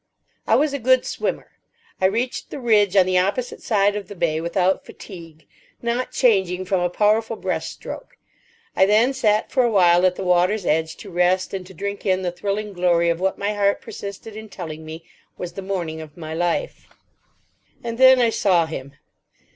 I was a good swimmer. I reached the ridge on the opposite side of the bay without fatigue, not changing from a powerful breast stroke. I then sat for a while at the water's edge to rest and to drink in the thrilling glory of what my heart persisted in telling me was the morning of my life. And then I saw Him.